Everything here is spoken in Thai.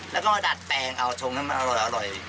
แล้วก็ดัดแปลงเอาชงให้มันอร่อย